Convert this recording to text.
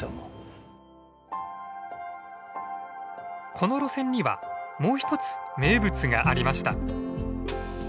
この路線にはもう一つ名物がありました。